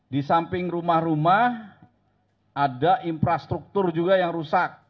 di samping rumah rumah ada infrastruktur juga yang rusak